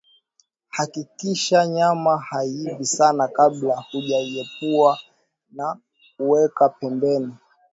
Hakikisha nyama haiivi sana kabla hujaiepua na kuweka pembeni